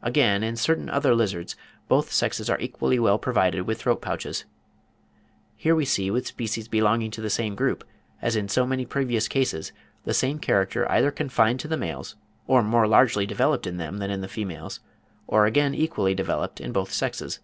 Again, in certain other lizards, both sexes are equally well provided with throat pouches. Here we see with species belonging to the same group, as in so many previous cases, the same character either confined to the males, or more largely developed in them than in the females, or again equally developed in both sexes.